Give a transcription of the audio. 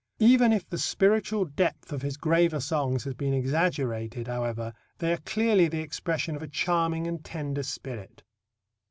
Even if the spiritual depth of his graver songs has been exaggerated, however, they are clearly the expression of a charming and tender spirit.